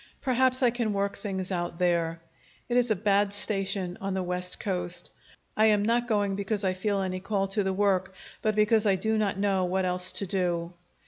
Perhaps I can work things out there. It is a bad station on the West Coast. I am not going because I feel any call to the work, but because I do not know what else to do.